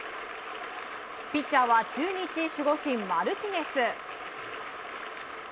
ピッチャーは中日守護神マルティネス。